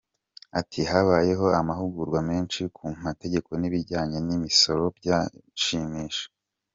Ati “Habayeho amahugurwa menshi ku mategeko n’ibijyanye n’imisoro, byanshimisha.